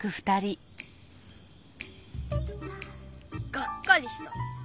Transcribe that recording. がっかりした！